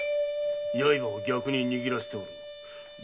刃を逆に握らせておる。